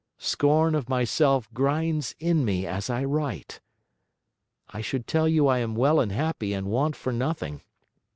Scorn of myself grinds in me as I write. I should tell you I am well and happy, and want for nothing.